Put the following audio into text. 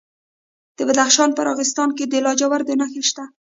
د بدخشان په راغستان کې د لاجوردو نښې شته.